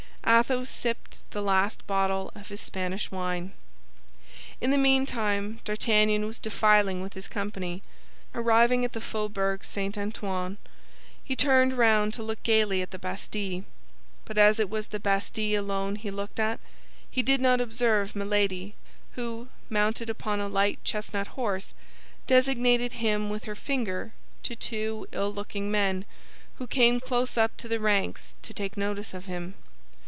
Athos sipped the last bottle of his Spanish wine. In the meantime D'Artagnan was defiling with his company. Arriving at the Faubourg St. Antoine, he turned round to look gaily at the Bastille; but as it was the Bastille alone he looked at, he did not observe Milady, who, mounted upon a light chestnut horse, designated him with her finger to two ill looking men who came close up to the ranks to take notice of him.